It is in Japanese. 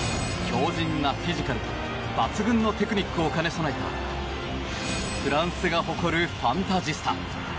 強靭なフィジカルと抜群のテクニックを兼ね備えたフランスが誇るファンタジスタ。